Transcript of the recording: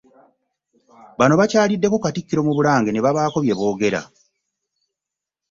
Bano bakyaliddeko katikkiro ku Bulange ne babaako bye boogera